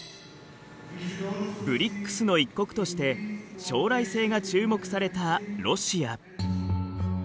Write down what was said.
ＢＲＩＣＳの１国として将来性が注目されたロシア。